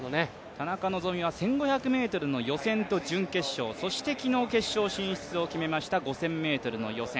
田中希実は１５００の予選と準決勝、そして昨日決勝進出を決めました５０００ｍの予選。